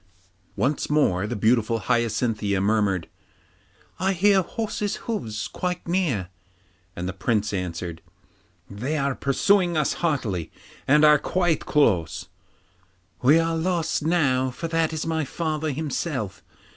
Once more the beautiful Hyacinthia murmured, 'I hear horses' hoofs quite near.' And the Prince answered, 'They are pursuing us hotly and are quite close.' 'We are lost now, for that is my father himself.